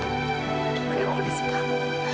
aku ingin pulih sekarang